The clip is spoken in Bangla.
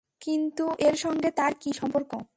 কিন্তু এর সঙ্গে তাঁর কী সম্পর্ক?